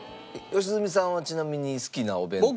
良純さんはちなみに好きなお弁当。